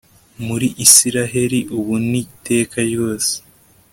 muri israheli ubu n'iteka ryose